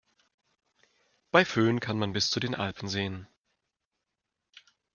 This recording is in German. Bei Föhn kann man bis zu den Alpen sehen.